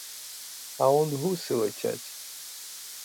А он гуси летять.